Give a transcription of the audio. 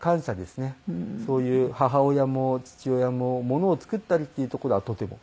そういう母親も父親もものを作ったりっていうところはとても。